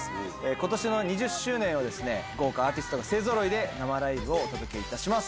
今年の２０周年は豪華アーティストが勢ぞろいで生ライブをお届けいたします。